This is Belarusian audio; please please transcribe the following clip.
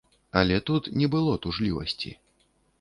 Але тут не было тужлівасці.